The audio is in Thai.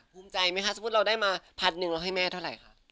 ภูมิใจไหมคะสมมุติเราได้มาพันหนึ่งเราให้แม่เท่าไหร่คะ